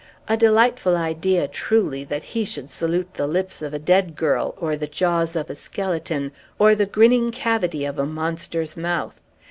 A delightful idea, truly, that he should salute the lips of a dead girl, or the jaws of a skeleton, or the grinning cavity of a monster's mouth!